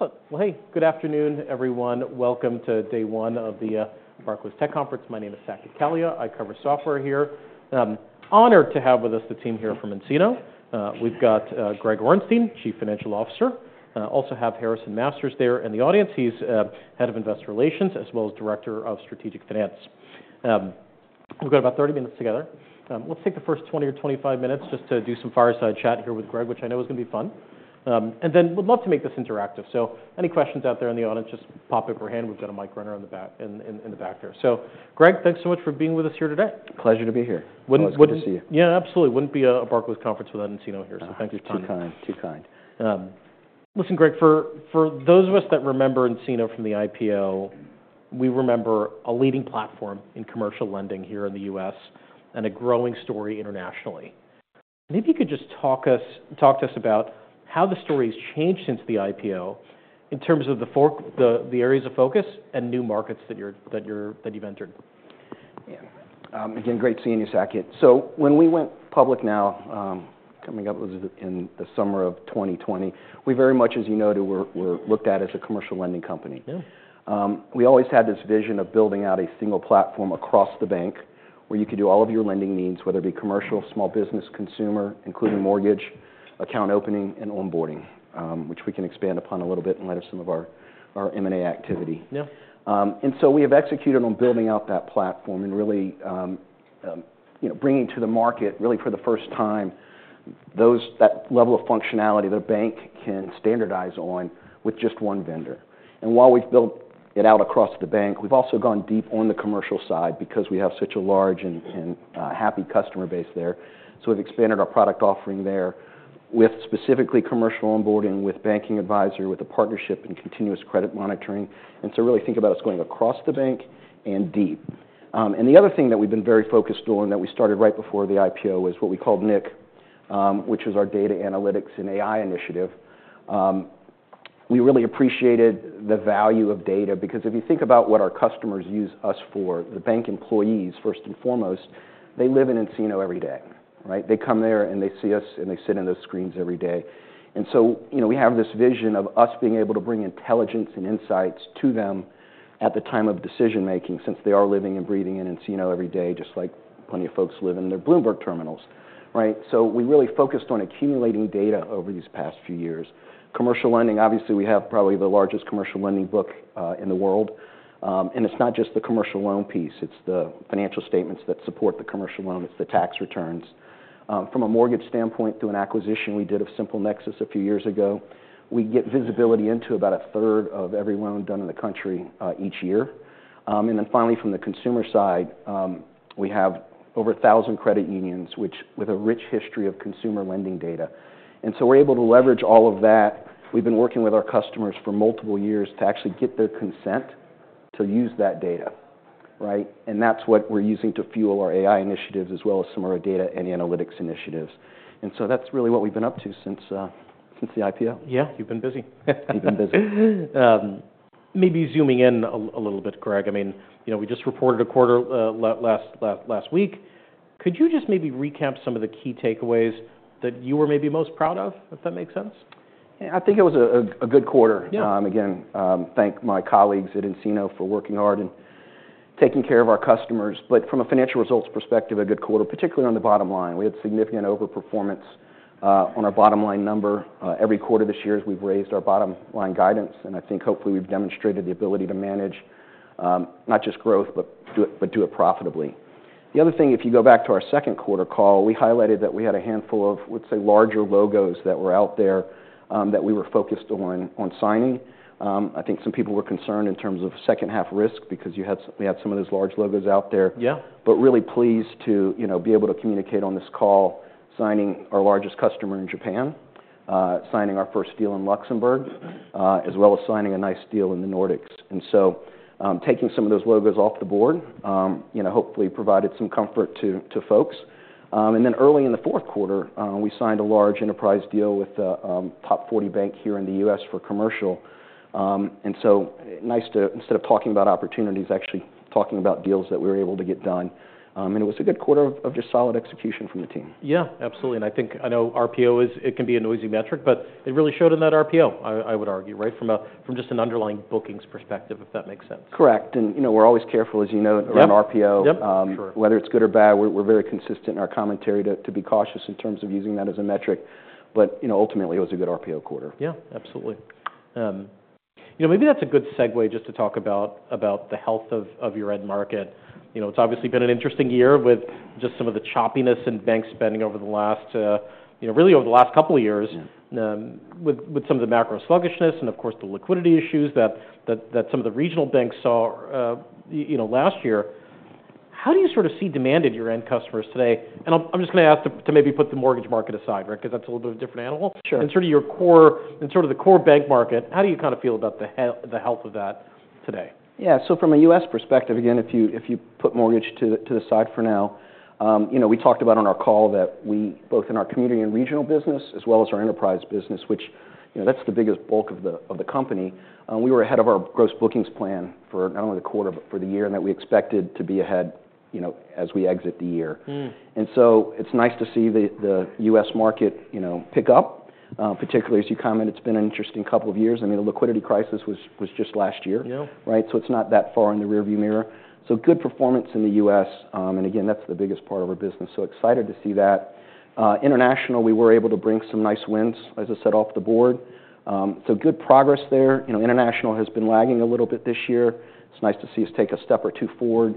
Excellent. Well, hey, good afternoon, everyone. Welcome to day one of the Barclays Tech Conference. My name is Saket Kalia. I cover software here. I'm honored to have with us the team here from nCino. We've got Greg Orenstein, Chief Financial Officer. I also have Harrison Masters there in the audience. He's Head of Investor Relations, as well as Director of Strategic Finance. We've got about 30 minutes together. Let's take the first 20 or 25 minutes just to do some fireside chat here with Greg, which I know is going to be fun, and then we'd love to make this interactive. So any questions out there in the audience, just pop up your hand. We've got a mic runner in the back there, so Greg, thanks so much for being with us here today. Pleasure to be here. Wouldn't it be? Yeah, absolutely. Wouldn't be a Barclays Conference without nCino here. So thanks for coming. Too kind. Listen, Greg, for those of us that remember nCino from the IPO, we remember a leading platform in commercial lending here in the U.S. and a growing story internationally. Maybe you could just talk to us about how the story has changed since the IPO in terms of the areas of focus and new markets that you've entered. Yeah. Again, great seeing you, Saket. So when we went public now, coming up in the summer of 2020, we very much, as you noted, were looked at as a commercial lending company. We always had this vision of building out a single platform across the bank where you could do all of your lending needs, whether it be commercial, small business, consumer, including mortgage, account opening, and onboarding, which we can expand upon a little bit in light of some of our M&A activity. And so we have executed on building out that platform and really bringing to the market, really for the first time, that level of functionality that a bank can standardize on with just one vendor. And while we've built it out across the bank, we've also gone deep on the commercial side because we have such a large and happy customer base there. We've expanded our product offering there with specifically commercial onboarding, with Banking Advisor, with a partnership and Continuous Credit Monitoring. Really think about us going across the bank and deep. The other thing that we've been very focused on that we started right before the IPO is what we called nIQ, which was our data analytics and AI initiative. We really appreciated the value of data because if you think about what our customers use us for, the bank employees, first and foremost, they live in nCino every day. They come there and they see us and they sit in those screens every day. We have this vision of us being able to bring intelligence and insights to them at the time of decision-making since they are living and breathing in nCino every day, just like plenty of folks live in their Bloomberg terminals. So we really focused on accumulating data over these past few years. Commercial lending, obviously, we have probably the largest commercial lending book in the world. And it's not just the commercial loan piece. It's the financial statements that support the commercial loan. It's the tax returns. From a mortgage standpoint, through an acquisition we did of SimpleNexus a few years ago, we get visibility into about a third of every loan done in the country each year. And then finally, from the consumer side, we have over 1,000 credit unions, which have a rich history of consumer lending data. And so we're able to leverage all of that. We've been working with our customers for multiple years to actually get their consent to use that data. And that's what we're using to fuel our AI initiatives as well as some of our data and analytics initiatives. That's really what we've been up to since the IPO. Yeah, you've been busy. You've been busy. Maybe zooming in a little bit, Greg. I mean, we just reported a quarter last week. Could you just maybe recap some of the key takeaways that you were maybe most proud of, if that makes sense? I think it was a good quarter. Again, thank my colleagues at nCino for working hard and taking care of our customers, but from a financial results perspective, a good quarter, particularly on the bottom line. We had significant overperformance on our bottom line number every quarter this year as we've raised our bottom line guidance, and I think hopefully we've demonstrated the ability to manage not just growth, but do it profitably. The other thing, if you go back to our second quarter call, we highlighted that we had a handful of, let's say, larger logos that were out there that we were focused on signing. I think some people were concerned in terms of second half risk because we had some of those large logos out there. But really pleased to be able to communicate on this call, signing our largest customer in Japan, signing our first deal in Luxembourg, as well as signing a nice deal in the Nordics. And so taking some of those logos off the board hopefully provided some comfort to folks. And then early in the fourth quarter, we signed a large enterprise deal with a top 40 bank here in the US for commercial. And so nice to, instead of talking about opportunities, actually talking about deals that we were able to get done. And it was a good quarter of just solid execution from the team. Yeah, absolutely. And I think I know RPO is, it can be a noisy metric, but it really showed in that RPO, I would argue, right, from just an underlying bookings perspective, if that makes sense. Correct. And we're always careful, as you know, around RPO, whether it's good or bad. We're very consistent in our commentary to be cautious in terms of using that as a metric. But ultimately, it was a good RPO quarter. Yeah, absolutely. Maybe that's a good segue just to talk about the health of your end market. It's obviously been an interesting year with just some of the choppiness in bank spending over the last, really over the last couple of years, with some of the macro sluggishness and, of course, the liquidity issues that some of the regional banks saw last year. How do you sort of see demand in your end customers today? And I'm just going to ask to maybe put the mortgage market aside, right, because that's a little bit of a different animal. And sort of your core, and sort of the core bank market, how do you kind of feel about the health of that today? Yeah, so from a U.S. perspective, again, if you put mortgage to the side for now, we talked about on our call that we, both in our community and regional business, as well as our enterprise business, which that's the biggest bulk of the company, were ahead of our gross bookings plan for not only the quarter, but for the year that we expected to be ahead as we exit the year. And so it's nice to see the U.S. market pick up, particularly as you comment. It's been an interesting couple of years. I mean, the liquidity crisis was just last year, right? So it's not that far in the rearview mirror. So good performance in the U.S. And again, that's the biggest part of our business. So excited to see that. International, we were able to bring some nice wins, as I said, off the board. So good progress there. International has been lagging a little bit this year. It's nice to see us take a step or two forward.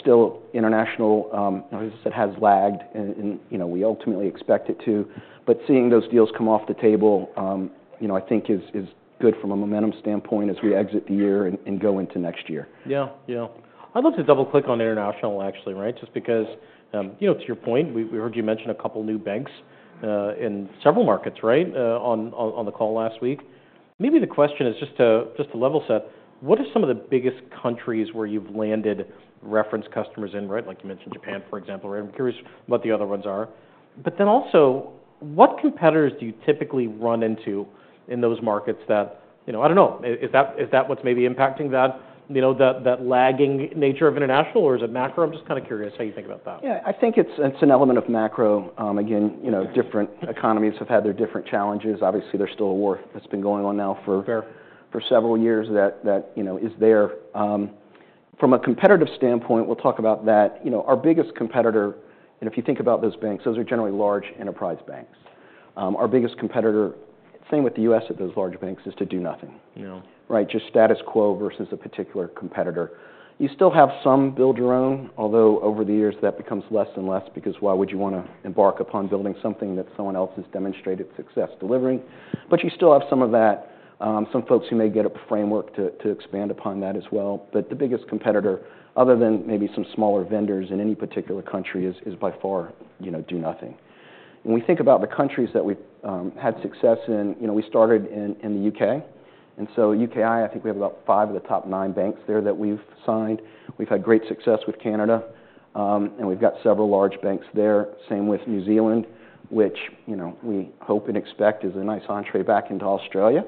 Still, international, as I said, has lagged, and we ultimately expect it to. But seeing those deals come off the table, I think, is good from a momentum standpoint as we exit the year and go into next year. Yeah, yeah. I'd love to double-click on international, actually, right, just because to your point, we heard you mention a couple of new banks in several markets, right, on the call last week. Maybe the question is just to level set, what are some of the biggest countries where you've landed reference customers in, right? Like you mentioned Japan, for example, right? I'm curious what the other ones are. But then also, what competitors do you typically run into in those markets that, I don't know, is that what's maybe impacting that lagging nature of international, or is it macro? I'm just kind of curious how you think about that. Yeah, I think it's an element of macro. Again, different economies have had their different challenges. Obviously, there's still a war that's been going on now for several years that is there. From a competitive standpoint, we'll talk about that. Our biggest competitor, and if you think about those banks, those are generally large enterprise banks. Our biggest competitor, same with the US at those large banks, is to do nothing, right? Just status quo versus a particular competitor. You still have some build your own, although over the years that becomes less and less because why would you want to embark upon building something that someone else has demonstrated success delivering? But you still have some of that, some folks who may get a framework to expand upon that as well. But the biggest competitor, other than maybe some smaller vendors in any particular country, is by far do nothing. When we think about the countries that we've had success in, we started in the U.K. And so U.K., I think we have about five of the top nine banks there that we've signed. We've had great success with Canada, and we've got several large banks there. Same with New Zealand, which we hope and expect is a nice entrée back into Australia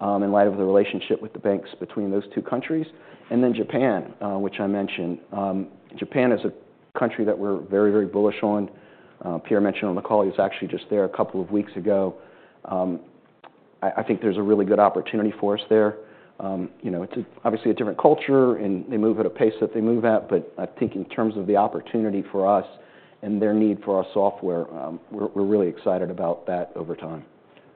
in light of the relationship with the banks between those two countries. And then Japan, which I mentioned. Japan is a country that we're very, very bullish on. Pierre mentioned on the call, he was actually just there a couple of weeks ago. I think there's a really good opportunity for us there. It's obviously a different culture, and they move at a pace that they move at. But I think in terms of the opportunity for us and their need for our software, we're really excited about that over time.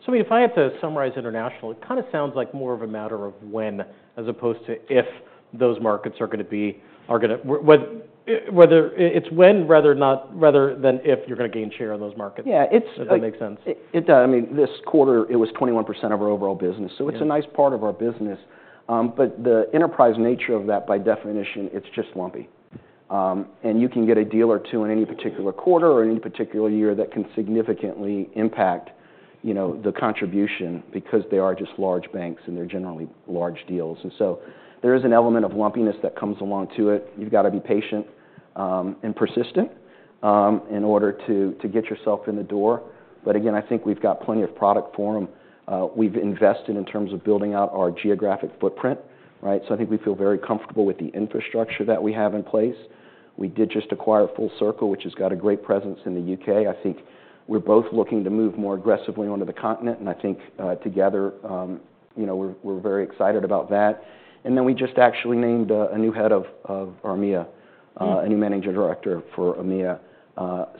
So, I mean, if I had to summarize international, it kind of sounds like more of a matter of when, as opposed to if those markets are going to be whether it's when rather than if you're going to gain share in those markets. Yeah, it's. If that makes sense. It does. I mean, this quarter, it was 21% of our overall business. So it's a nice part of our business. But the enterprise nature of that, by definition, it's just lumpy. And you can get a deal or two in any particular quarter or in any particular year that can significantly impact the contribution because they are just large banks and they're generally large deals. And so there is an element of lumpiness that comes along to it. You've got to be patient and persistent in order to get yourself in the door. But again, I think we've got plenty of product for them. We've invested in terms of building out our geographic footprint, right? So I think we feel very comfortable with the infrastructure that we have in place. We did just acquire FullCircl, which has got a great presence in the U.K. I think we're both looking to move more aggressively onto the continent, and I think together, we're very excited about that, and then we just actually named a new head of EMEA, a new managing director for EMEA,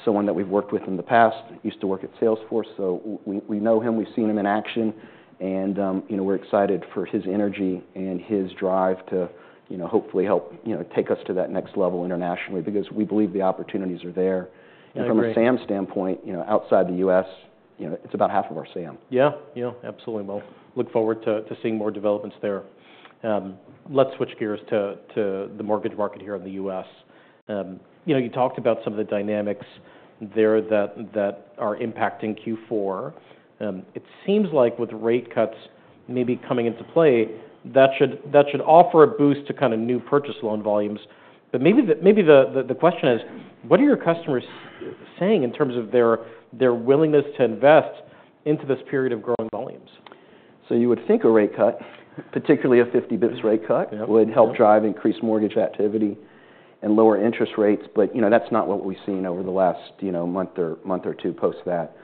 someone that we've worked with in the past, used to work at Salesforce, so we know him, we've seen him in action, and we're excited for his energy and his drive to hopefully help take us to that next level internationally because we believe the opportunities are there, and from a SAM standpoint, outside the U.S., it's about half of our SAM. Yeah, yeah, absolutely. We'll look forward to seeing more developments there. Let's switch gears to the mortgage market here in the U.S. You talked about some of the dynamics there that are impacting Q4. It seems like with rate cuts maybe coming into play, that should offer a boost to kind of new purchase loan volumes. But maybe the question is, what are your customers saying in terms of their willingness to invest into this period of growing volumes? You would think a rate cut, particularly a 50 basis points rate cut, would help drive increased mortgage activity and lower interest rates. But that's not what we've seen over the last month or two post that.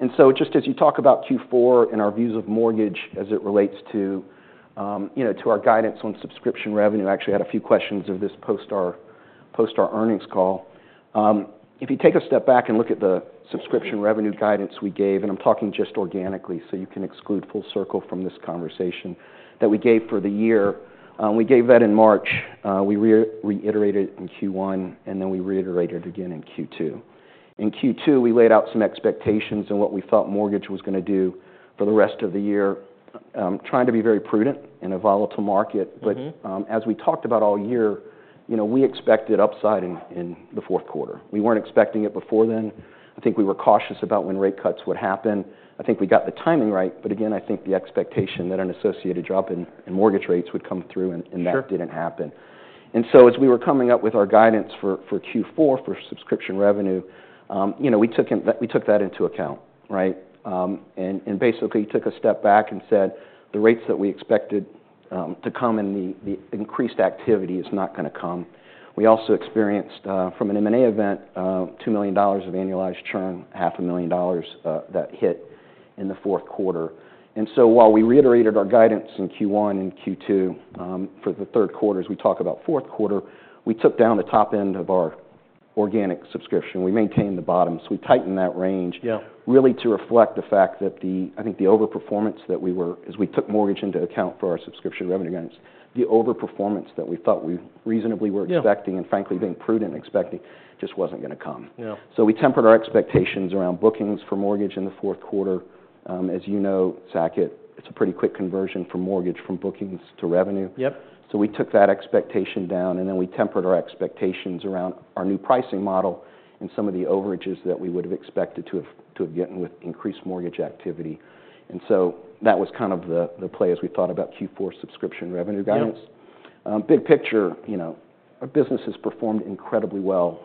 Just as you talk about Q4 and our views of mortgage as it relates to our guidance on subscription revenue, I actually had a few questions of this post our earnings call. If you take a step back and look at the subscription revenue guidance we gave, and I'm talking just organically so you can exclude FullCircl from this conversation, that we gave for the year, we gave that in March. We reiterated it in Q1, and then we reiterated it again in Q2. In Q2, we laid out some expectations and what we thought mortgage was going to do for the rest of the year, trying to be very prudent in a volatile market. But as we talked about all year, we expected upside in the fourth quarter. We weren't expecting it before then. I think we were cautious about when rate cuts would happen. I think we got the timing right. But again, I think the expectation that an associated drop in mortgage rates would come through, and that didn't happen. And so as we were coming up with our guidance for Q4 for subscription revenue, we took that into account, right? And basically, we took a step back and said, the rates that we expected to come and the increased activity is not going to come. We also experienced from an M&A event $2 million of annualized churn, $500,000 that hit in the fourth quarter. And so while we reiterated our guidance in Q1 and Q2 for the third quarter, as we talk about fourth quarter, we took down the top end of our organic subscription. We maintained the bottom. So we tightened that range really to reflect the fact that I think the overperformance that we were, as we took mortgage into account for our subscription revenue guidance, the overperformance that we thought we reasonably were expecting and frankly being prudent expecting just wasn't going to come. So we tempered our expectations around bookings for mortgage in the fourth quarter. As you know, Saket, it's a pretty quick conversion from mortgage bookings to revenue. So we took that expectation down, and then we tempered our expectations around our new pricing model and some of the overages that we would have expected to have gotten with increased mortgage activity. And so that was kind of the play as we thought about Q4 subscription revenue guidance. Big picture, our business has performed incredibly well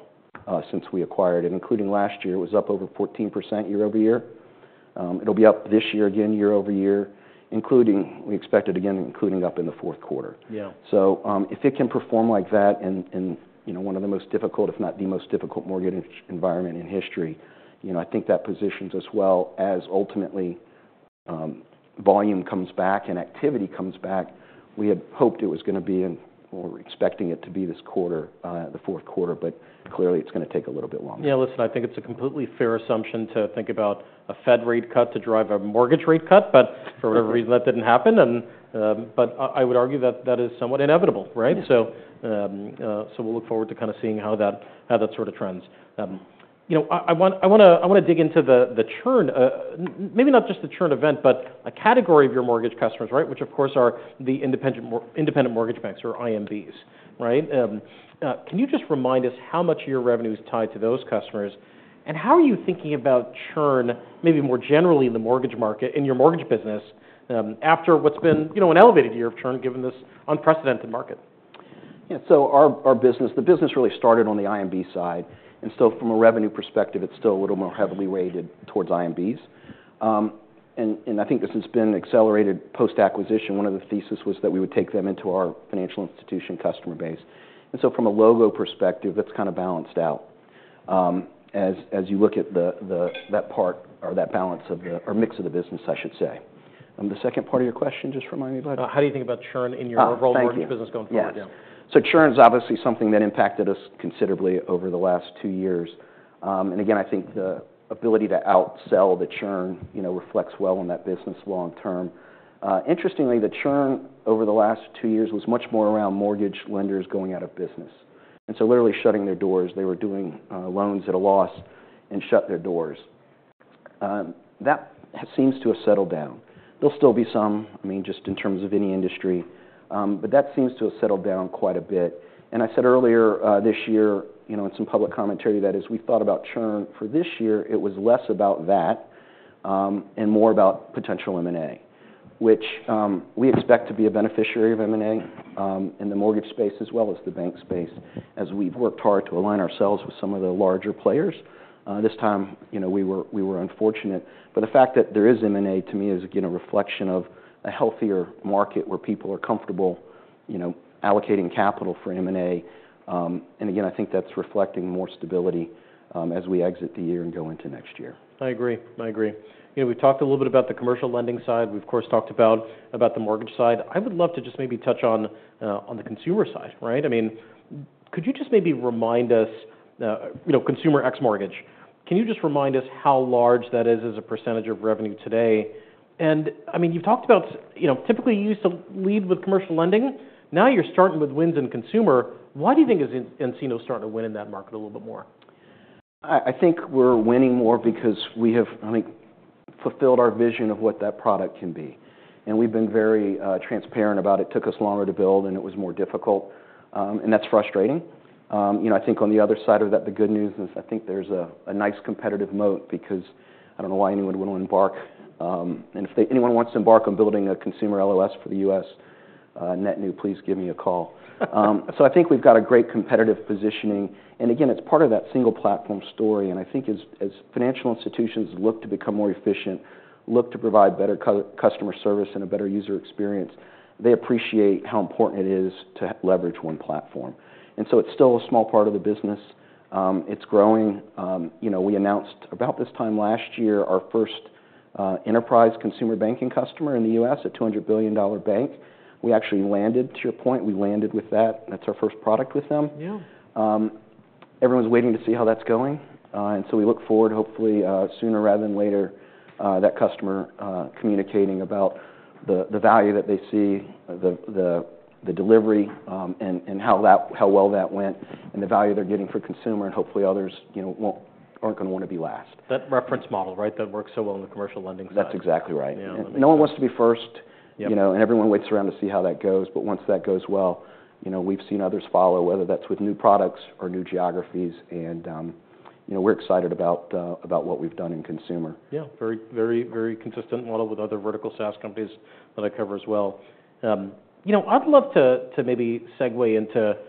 since we acquired it, including last year. It was up over 14% year over year. It'll be up this year again year over year, including we expected again, including up in the fourth quarter. So if it can perform like that in one of the most difficult, if not the most difficult mortgage environment in history, I think that positions us well as ultimately volume comes back and activity comes back. We had hoped it was going to be, and we're expecting it to be this quarter, the fourth quarter, but clearly it's going to take a little bit longer. Yeah, listen, I think it's a completely fair assumption to think about a Fed rate cut to drive a mortgage rate cut, but for whatever reason that didn't happen, but I would argue that that is somewhat inevitable, right, so we'll look forward to kind of seeing how that sort of trends. I want to dig into the churn, maybe not just the churn event, but a category of your mortgage customers, right, which of course are the independent mortgage banks or IMBs, right? Can you just remind us how much of your revenue is tied to those customers, and how are you thinking about churn, maybe more generally in the mortgage market, in your mortgage business after what's been an elevated year of churn given this unprecedented market? Yeah, so our business, the business really started on the IMB side. And so from a revenue perspective, it's still a little more heavily rated towards IMBs. And I think this has been accelerated post-acquisition. One of the theses was that we would take them into our financial institution customer base. And so from a logo perspective, that's kind of balanced out as you look at that part or that balance of our mix of the business, I should say. The second part of your question, just remind me about it. How do you think about churn in your overall mortgage business going forward? Yeah, so churn is obviously something that impacted us considerably over the last two years, and again, I think the ability to outsell the churn reflects well on that business long term. Interestingly, the churn over the last two years was much more around mortgage lenders going out of business, and so literally shutting their doors. They were doing loans at a loss and shut their doors. That seems to have settled down. There'll still be some, I mean, just in terms of any industry, but that seems to have settled down quite a bit. And I said earlier this year in some public commentary that as we thought about churn for this year, it was less about that and more about potential M&A, which we expect to be a beneficiary of M&A in the mortgage space as well as the bank space as we've worked hard to align ourselves with some of the larger players. This time, we were unfortunate. But the fact that there is M&A to me is, again, a reflection of a healthier market where people are comfortable allocating capital for M&A. And again, I think that's reflecting more stability as we exit the year and go into next year. I agree. I agree. We talked a little bit about the commercial lending side. We've of course talked about the mortgage side. I would love to just maybe touch on the consumer side, right? I mean, could you just maybe remind us, consumer ex-mortgage, can you just remind us how large that is as a percentage of revenue today? And I mean, you've talked about typically you used to lead with commercial lending. Now you're starting with wins in consumer. Why do you think nCino is starting to win in that market a little bit more? I think we're winning more because we have, I think, fulfilled our vision of what that product can be. And we've been very transparent about it. It took us longer to build, and it was more difficult. And that's frustrating. I think on the other side of that, the good news is I think there's a nice competitive moat because I don't know why anyone wouldn't embark. And if anyone wants to embark on building a consumer LOS for the U.S., net new, please give me a call. So I think we've got a great competitive positioning. And again, it's part of that single platform story. And I think as financial institutions look to become more efficient, look to provide better customer service and a better user experience, they appreciate how important it is to leverage one platform. And so it's still a small part of the business. It's growing. We announced about this time last year our first enterprise consumer banking customer in the U.S., a $200 billion bank. We actually landed, to your point, we landed with that. That's our first product with them. Everyone's waiting to see how that's going, and so we look forward, hopefully sooner rather than later, that customer communicating about the value that they see, the delivery and how well that went and the value they're getting for consumer, and hopefully others aren't going to want to be last. That reference model, right, that works so well in the commercial lending side. That's exactly right. No one wants to be first, and everyone waits around to see how that goes. But once that goes well, we've seen others follow, whether that's with new products or new geographies. And we're excited about what we've done in consumer. Yeah, very, very consistent model with other vertical SaaS companies that I cover as well. I'd love to maybe segue into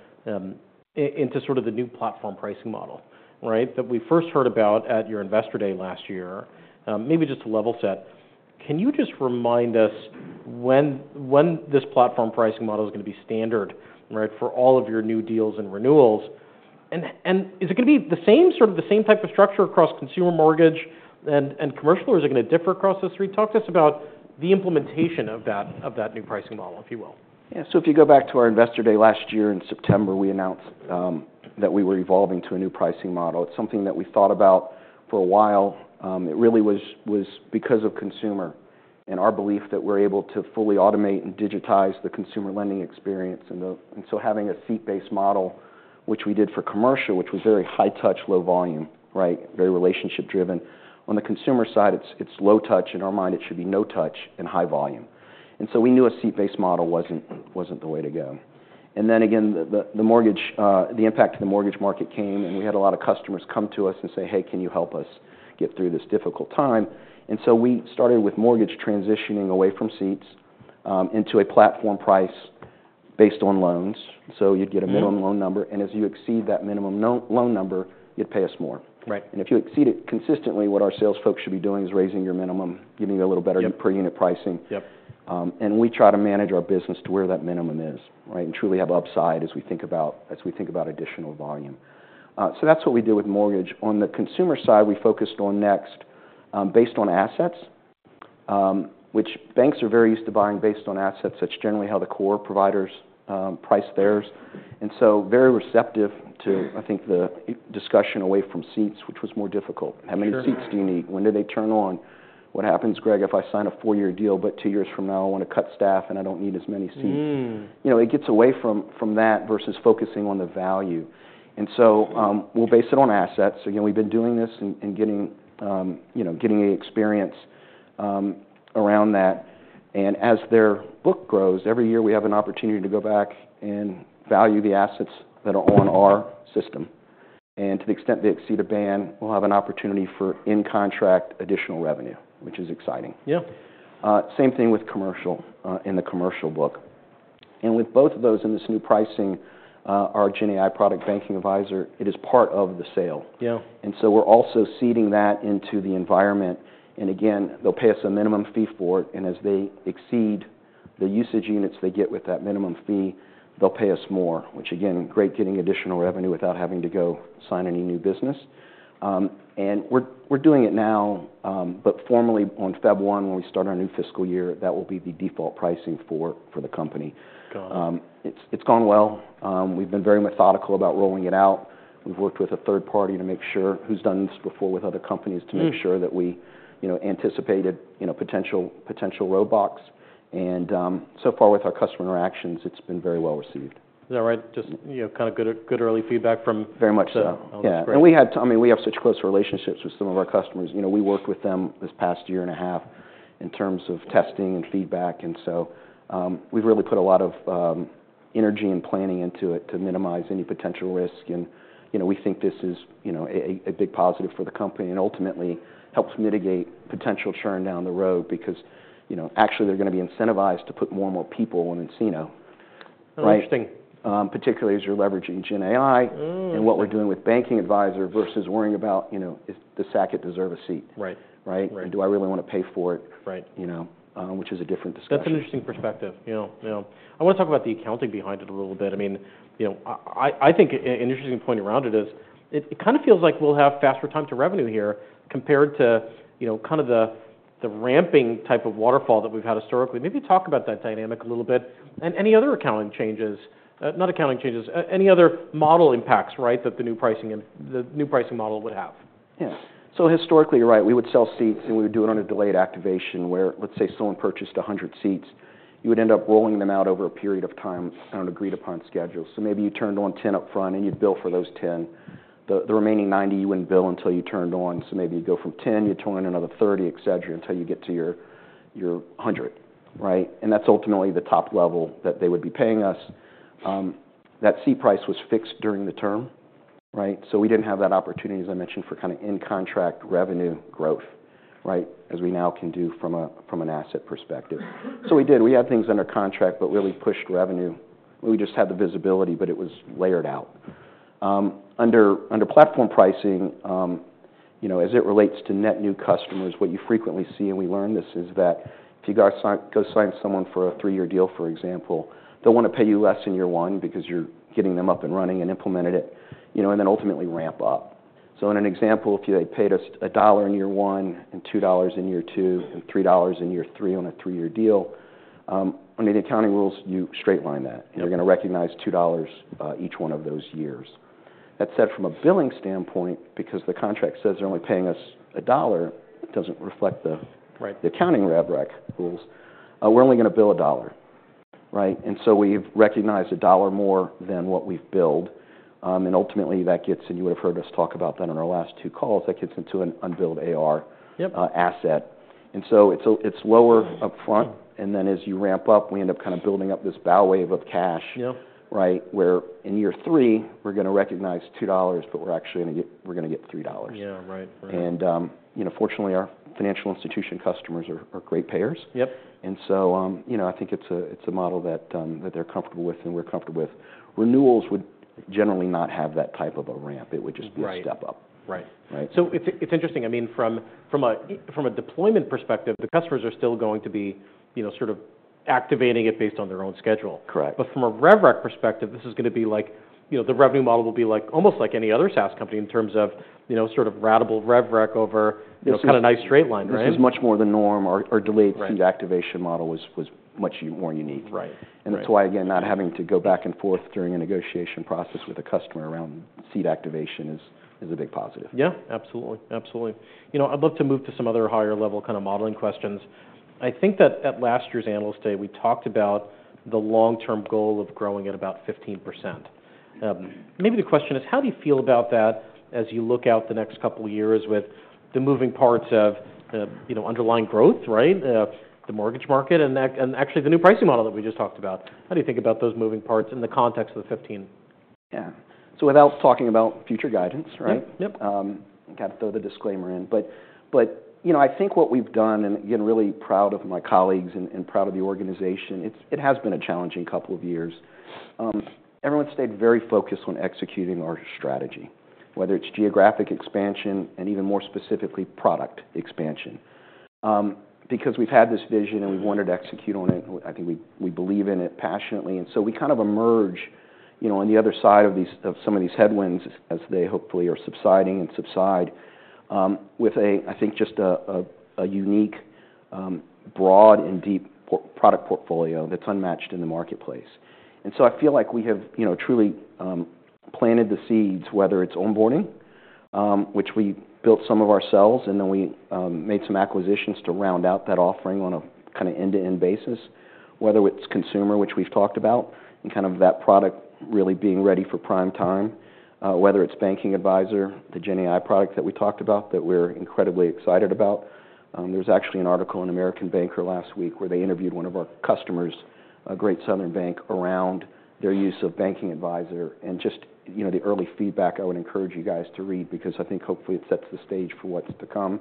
sort of the new platform pricing model, right, that we first heard about at your investor day last year, maybe just to level set. Can you just remind us when this platform pricing model is going to be standard for all of your new deals and renewals? And is it going to be the same, sort of the same type of structure across consumer mortgage and commercial, or is it going to differ across the three? Talk to us about the implementation of that new pricing model, if you will. Yeah. So if you go back to our investor day last year in September, we announced that we were evolving to a new pricing model. It's something that we thought about for a while. It really was because of consumer and our belief that we're able to fully automate and digitize the consumer lending experience. And so having a seat-based model, which we did for commercial, which was very high touch, low volume, right, very relationship driven. On the consumer side, it's low touch. In our mind, it should be no touch and high volume. And so we knew a seat-based model wasn't the way to go. And then again, the impact of the mortgage market came, and we had a lot of customers come to us and say, "Hey, can you help us get through this difficult time?" And so we started with mortgage transitioning away from seats into a platform price based on loans. So you'd get a minimum loan number. And as you exceed that minimum loan number, you'd pay us more. And if you exceed it consistently, what our sales folks should be doing is raising your minimum, giving you a little better per unit pricing. And we try to manage our business to where that minimum is, right, and truly have upside as we think about additional volume. So that's what we did with mortgage. On the consumer side, we focused on Nexus based on assets, which banks are very used to buying based on assets. That's generally how the core providers price theirs, and so very receptive to, I think, the discussion away from seats, which was more difficult. How many seats do you need? When do they turn on? What happens, Greg, if I sign a four-year deal, but two years from now, I want to cut staff and I don't need as many seats? It gets away from that versus focusing on the value, and so we'll base it on assets. Again, we've been doing this and getting the experience around that, and as their book grows, every year we have an opportunity to go back and value the assets that are on our system, and to the extent they exceed a band, we'll have an opportunity for in-contract additional revenue, which is exciting. Yeah, same thing with commercial in the commercial book. With both of those in this new pricing, our GenAI product, Banking Advisor, it is part of the sale. So we're also seeding that into the environment. Again, they'll pay us a minimum fee for it. As they exceed the usage units they get with that minimum fee, they'll pay us more, which again, great getting additional revenue without having to go sign any new business. We're doing it now, but formally on February 1, when we start our new fiscal year, that will be the default pricing for the company. It's gone well. We've been very methodical about rolling it out. We've worked with a third party to make sure who's done this before with other companies to make sure that we anticipated potential roadblocks. So far with our customer interactions, it's been very well received. Is that right? Just kind of good early feedback from. Very much so. And we have such close relationships with some of our customers. We worked with them this past year and a half in terms of testing and feedback. And so we've really put a lot of energy and planning into it to minimize any potential risk. And we think this is a big positive for the company and ultimately helps mitigate potential churn down the road because actually they're going to be incentivized to put more and more people on nCino, right? That's interesting. Particularly as you're leveraging GenAI and what we're doing with Banking Advisor versus worrying about, does Saket deserve a seat? Right? And do I really want to pay for it? Which is a different discussion. That's an interesting perspective. Yeah. Yeah. I want to talk about the accounting behind it a little bit. I mean, I think an interesting point around it is it kind of feels like we'll have faster time to revenue here compared to kind of the ramping type of waterfall that we've had historically. Maybe talk about that dynamic a little bit, and any other accounting changes, not accounting changes, any other model impacts, right, that the new pricing model would have? Yeah. So historically, right, we would sell seats and we would do it on a delayed activation where, let's say someone purchased 100 seats, you would end up rolling them out over a period of time on an agreed-upon schedule. So maybe you turned on 10 upfront and you'd bill for those 10. The remaining 90 you wouldn't bill until you turned on. So maybe you'd go from 10, you'd turn on another 30, et cetera, until you get to your 100, right? And that's ultimately the top level that they would be paying us. That seat price was fixed during the term, right? So we didn't have that opportunity, as I mentioned, for kind of in-contract revenue growth, right, as we now can do from an asset perspective. So we did. We had things under contract, but really pushed revenue. We just had the visibility, but it was layered out. Under platform pricing, as it relates to net new customers, what you frequently see, and we learned this, is that if you go sign someone for a three-year deal, for example, they'll want to pay you less in year one because you're getting them up and running and implemented it, and then ultimately ramp up. So in an example, if they paid us $1 in year one and $2 in year two and $3 in year three on a three-year deal, under the accounting rules, you straight line that. You're going to recognize $2 each one of those years. That said, from a billing standpoint, because the contract says they're only paying us $1, it doesn't reflect the accounting rules. We're only going to bill $1, right? We've recognized a dollar more than what we've billed. Ultimately that gets, and you would have heard us talk about that on our last two calls, that gets into an unbilled AR asset. It's lower upfront. Then as you ramp up, we end up kind of building up this bow wave of cash, right, where in year three, we're going to recognize $2, but we're actually going to get $3. Fortunately, our financial institution customers are great payers. I think it's a model that they're comfortable with and we're comfortable with. Renewals would generally not have that type of a ramp. It would just be a step up. Right. Right. So it's interesting. I mean, from a deployment perspective, the customers are still going to be sort of activating it based on their own schedule. But from a revenue perspective, this is going to be like the revenue model will be like almost like any other SaaS company in terms of sort of ratable revenue over kind of nice straight line, right? This is much more the norm. Our delayed seat activation model was much more unique. And that's why, again, not having to go back and forth during a negotiation process with a customer around seat activation is a big positive. Yeah, absolutely. Absolutely. I'd love to move to some other higher level kind of modeling questions. I think that at last year's analyst day, we talked about the long-term goal of growing at about 15%. Maybe the question is, how do you feel about that as you look out the next couple of years with the moving parts of underlying growth, right, the mortgage market and actually the new pricing model that we just talked about? How do you think about those moving parts in the context of the 15? Yeah. So without talking about future guidance, right? I've got to throw the disclaimer in. But I think what we've done, and again, really proud of my colleagues and proud of the organization, it has been a challenging couple of years. Everyone stayed very focused on executing our strategy, whether it's geographic expansion and even more specifically product expansion. Because we've had this vision and we wanted to execute on it, I think we believe in it passionately. And so we kind of emerge on the other side of some of these headwinds as they hopefully are subsiding and subside with a, I think, just a unique, broad, and deep product portfolio that's unmatched in the marketplace. And so I feel like we have truly planted the seeds, whether it's onboarding, which we built some of ourselves, and then we made some acquisitions to round out that offering on a kind of end-to-end basis, whether it's consumer, which we've talked about, and kind of that product really being ready for prime time, whether it's Banking Advisor, the GenAI product that we talked about that we're incredibly excited about. There was actually an article in American Banker last week where they interviewed one of our customers, Great Southern Bank, around their use of Banking Advisor and just the early feedback. I would encourage you guys to read because I think hopefully it sets the stage for what's to come.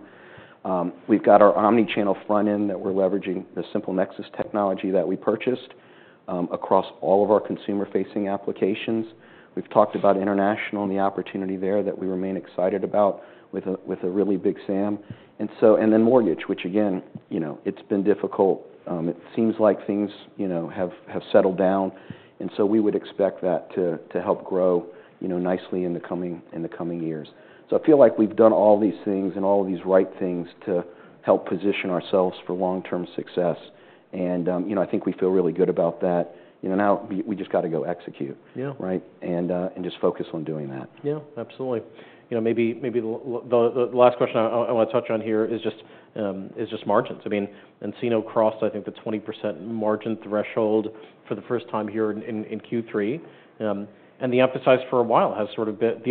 We've got our omnichannel front end that we're leveraging the SimpleNexus technology that we purchased across all of our consumer-facing applications. We've talked about international and the opportunity there that we remain excited about with a really big SAM. And then mortgage, which again, it's been difficult. It seems like things have settled down. And so we would expect that to help grow nicely in the coming years. So I feel like we've done all these things and all of these right things to help position ourselves for long-term success. And I think we feel really good about that. Now we just got to go execute, right, and just focus on doing that. Yeah, absolutely. Maybe the last question I want to touch on here is just margins. I mean, nCino crossed, I think, the 20% margin threshold for the first time here in Q3. And the emphasis for a while has sort of been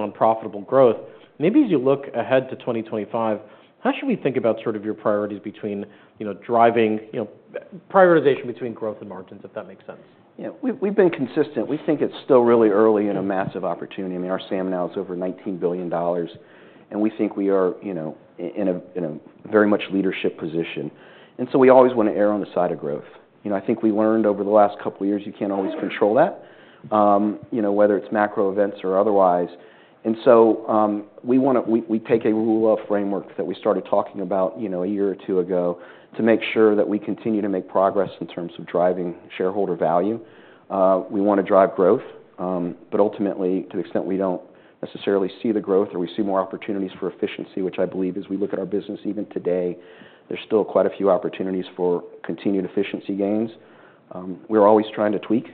on profitable growth. Maybe as you look ahead to 2025, how should we think about sort of your priorities between driving prioritization between growth and margins, if that makes sense? Yeah. We've been consistent. We think it's still really early in a massive opportunity. I mean, our SAM now is over $19 billion, and we think we are in a very much leadership position, and so we always want to err on the side of growth. I think we learned over the last couple of years you can't always control that, whether it's macro events or otherwise, and so we take a rule of [40/30] framework that we started talking about a year or two ago to make sure that we continue to make progress in terms of driving shareholder value. We want to drive growth, but ultimately, to the extent we don't necessarily see the growth or we see more opportunities for efficiency, which I believe as we look at our business even today, there's still quite a few opportunities for continued efficiency gains. We're always trying to tweak,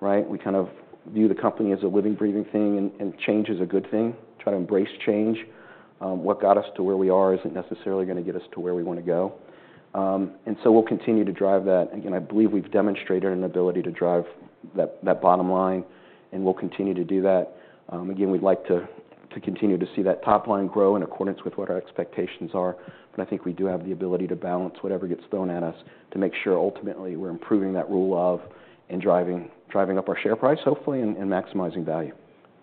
right? We kind of view the company as a living, breathing thing, and change is a good thing. Try to embrace change. What got us to where we are isn't necessarily going to get us to where we want to go. And so we'll continue to drive that. Again, I believe we've demonstrated an ability to drive that bottom line, and we'll continue to do that. Again, we'd like to continue to see that top line grow in accordance with what our expectations are. But I think we do have the ability to balance whatever gets thrown at us to make sure ultimately we're improving that ROE and driving up our share price, hopefully, and maximizing value.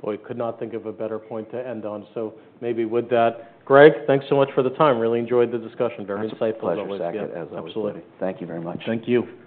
Boy, could not think of a better point to end on. So maybe with that, Greg, thanks so much for the time. Really enjoyed the discussion. Very insightful. Pleasure. As always. Absolutely. Thank you very much. Thank you.